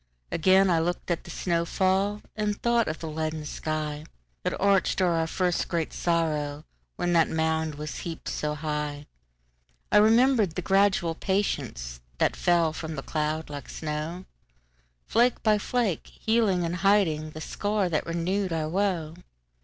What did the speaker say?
Again I looked at the snow fall, And thought of the leaden skyThat arched o'er our first great sorrow, When that mound was heaped so high.I remembered the gradual patienceThat fell from that cloud like snow, Flake by flake, healing and hidingThe scar that renewed our woe.